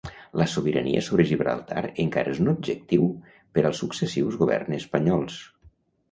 La sobirania sobre Gibraltar encara és un objectiu per als successius governs espanyols.